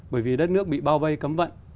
bởi vì đất nước bị bao vây cấm vận